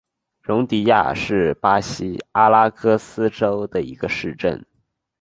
容迪亚是巴西阿拉戈斯州的一个市镇。